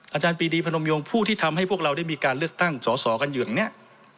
อาจารย์ปีดีพนมยงผู้ที่ทำให้พวกเราได้มีการเลือกตั้งสอสอกันอยู่อย่างนี้